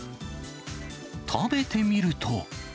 食べてみると。